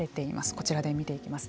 こちらで見ていきます。